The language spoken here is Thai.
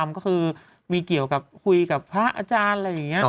พูดดูกับคุยกับพระอาจารย์อะไรอย่างนี้